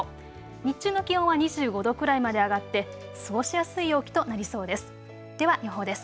日中の気温は２５度くらいまで上がって過ごしやすい陽気となりそうです。